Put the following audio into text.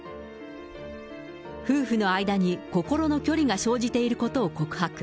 夫婦の間に心の距離が生じていることを告白。